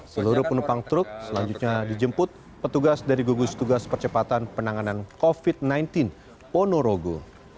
seluruh penumpang truk selanjutnya dijemput petugas dari gugus tugas percepatan penanganan covid sembilan belas ponorogo